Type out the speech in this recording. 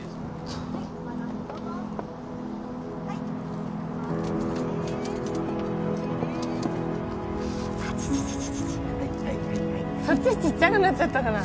はいはいはいそっちちっちゃくなっちゃったかな